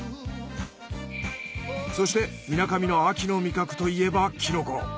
そしてみなかみの秋の味覚といえばキノコ。